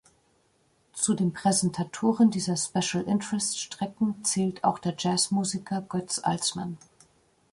Zu den Präsentatoren dieser Special-Interest-Strecken zählt auch der Jazz-Musiker Götz Alsmann.